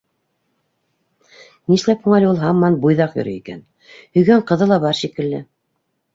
— Нишләп һуң әле ул һаман буйҙаҡ йөрөй икән? һөйгән ҡыҙы ла бар шикелле?